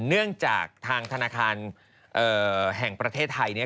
เนื่องจากทางธนาคารแห่งประเทศไทยเนี่ย